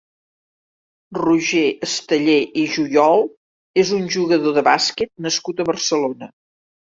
Roger Esteller i Juyol és un jugador de bàsquet nascut a Barcelona.